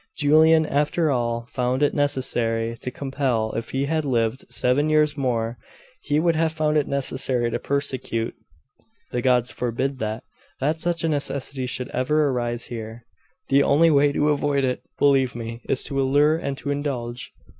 Julian, after all, found it necessary to compel if he had lived seven years more he would have found it necessary to persecute.' 'The gods forbid that that such a necessity should ever arise here.' 'The only way to avoid it, believe me, is to allure and to indulge.